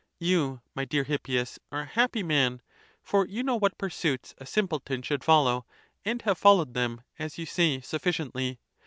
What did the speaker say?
You, my dear Hippias, are a happy man; for you know what pursuits a simpleton? should follow, and have fol lowed them, as you say, sufficiently.